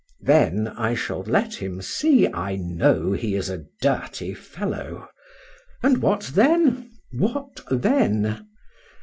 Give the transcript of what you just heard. Then I shall let him see I know he is a dirty fellow.—And what then? What then?